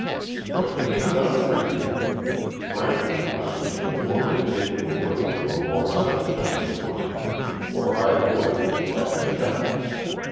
"What can be done for you? Frankly I'm too poor to take you away to a more sunshiny climate or I would, like a shot.